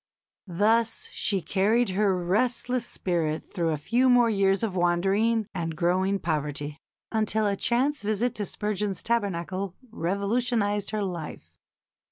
Thus she carried her restless spirit through a few more years of wandering and growing poverty, until a chance visit to Spurgeon's Tabernacle revolutionised her life.